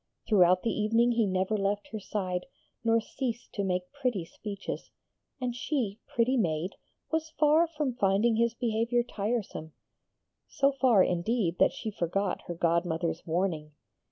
Throughout the evening he never left her side, nor ceased to make pretty speeches; and she, pretty maid, was far from finding his behaviour tiresome so far, indeed, that she forgot her godmother's warning.